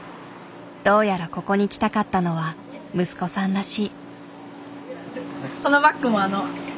どうやらここに来たかったのは息子さんらしい。